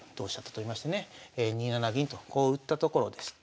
２七銀とこう打ったところです。